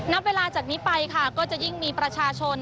นับเวลาจากนี้ไปค่ะก็จะยิ่งมีประชาชน